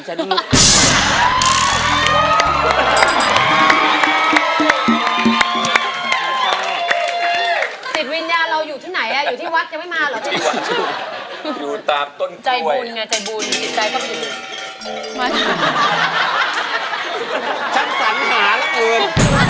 ฉันสัญหาลักอื่น